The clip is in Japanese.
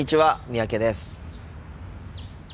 三宅です。